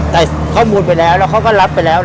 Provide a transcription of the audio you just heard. แต่ข้อมูลไปแล้วแล้วเขาก็รับไปแล้ว